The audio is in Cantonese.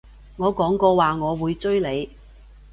我講過話我會追你